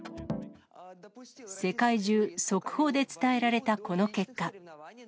世界中、速報で伝えられたこの結果。